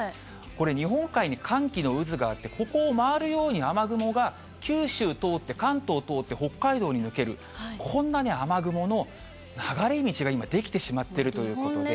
これ、日本海に寒気の渦があって、ここを回るように雨雲が九州通って、関東通って北海道に抜ける、こんなに雨雲の流れ道が今、出来てしまっているということで。